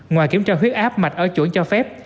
ngoài kiểm tra huyết áp mạch ở chỗ cho phép